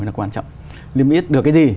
là quan trọng niêm yết được cái gì